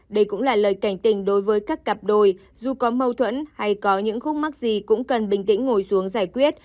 đây cũng là lời cảnh tình đối với các cặp đôi dù có mâu thuẫn hay có những khúc mắc gì cũng cần bình tĩnh ngồi xuống giải quyết